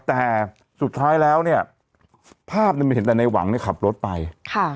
แต่สุดท้ายแล้วเนี่ยภาพเนี่ยมันเห็นแต่ในหวังเนี่ยขับรถไปค่ะ